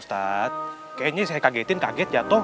ustadz kayaknya saya kagetin kaget jatuh